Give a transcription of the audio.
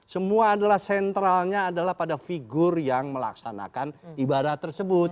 semua adalah sentralnya adalah pada figur yang melaksanakan ibadah tersebut